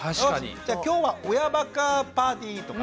「じゃあ今日は親バカパーティー！」とか。